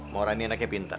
maura ini anaknya pintar